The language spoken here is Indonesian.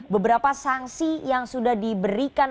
beberapa sanksi yang sudah diberikan